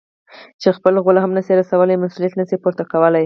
چې خپل غول هم نه شي رسولاى؛ مسؤلیت نه شي پورته کولای.